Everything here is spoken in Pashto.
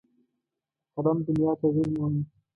په قلم دنیا تغیر مومي.